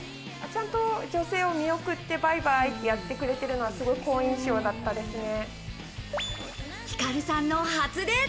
ちゃんと見送ってバイバイってやってくれるのは、好印象だったですね。